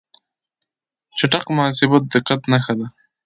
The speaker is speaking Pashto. چټک محاسبه د دقت نښه ده.